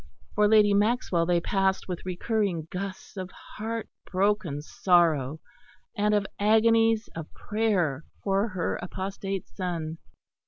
For Lady Maxwell they passed with recurring gusts of heart broken sorrow and of agonies of prayer for her apostate son.